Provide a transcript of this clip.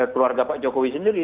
keluarga pak jokowi sendiri